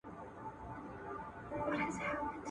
مړ مار په ډګر کي د ږغ او پاڼي لاندې دی.